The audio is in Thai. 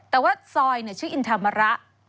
แต่ว่าซอยชื่ออินทามระ